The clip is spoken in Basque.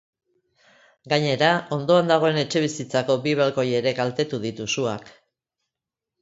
Gainera, ondoan dagoen etxebizitzako bi balkoi ere kaltetu ditu suak.